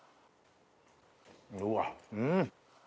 うわっうん。